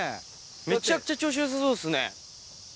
めちゃくちゃ調子よさそうですね。